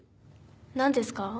何ですか？